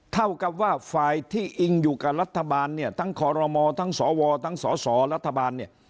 เท่ากับว่าฝ่ายที่อิงอยู่กับรัฐบาลเนี่ยทั้งคอรมอทั้งสวทั้งสสรัฐบาลเนี่ย